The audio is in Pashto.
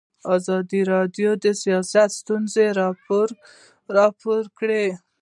ازادي راډیو د سیاست ستونزې راپور کړي.